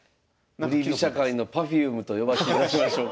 振り飛車界のＰｅｒｆｕｍｅと呼ばしていただきましょうか。